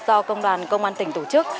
do công đoàn công an tỉnh tổ chức